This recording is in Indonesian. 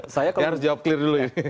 saya harus jawab clear dulu ini